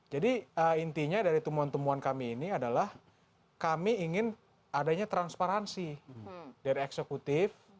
jadi intinya dari temuan temuan kami ini adalah kami ingin adanya transparansi dari eksekutif